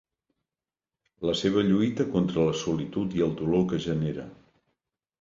La seva lluita contra la solitud i el dolor que genera.